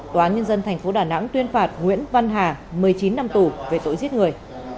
tòa nhân dân tp đà nẵng tuyên phạt nguyễn văn hà một mươi chín năm tù về tội giết người